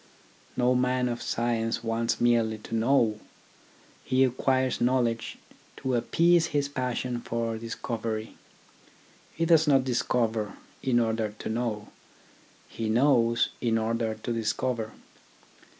No man of science wants merely to know. He acquires knowledge to appease his passion for discovery. He does not discover in order to know, he knows in order to discover.